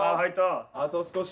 あと少し。